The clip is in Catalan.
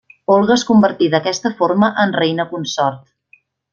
Olga es convertí d'aquesta forma en reina consort.